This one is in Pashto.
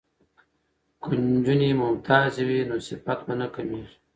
که نجونې ممتازې وي نو صفت به نه کمیږي.